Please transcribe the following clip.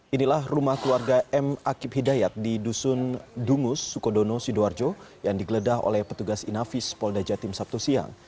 inilah rumah keluarga m akib hidayat di dusun dungus sukodono sidoarjo yang digeledah oleh petugas inafis polda jatim sabtu siang